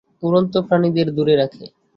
উড়ন্ত প্রাণীদের দূরে রাখে।